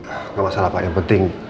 tidak masalah pak yang penting